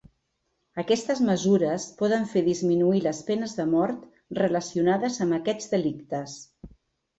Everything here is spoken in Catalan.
Aquestes mesures poden fer disminuir les penes de mort relacionades amb aquests delictes.